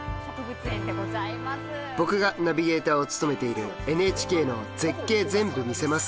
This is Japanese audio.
僕がナビゲーターを務めているＮＨＫの「絶景ぜんぶ見せます！